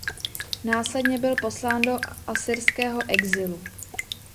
Následně byl poslán do asyrského exilu.